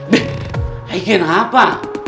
bek ikin apa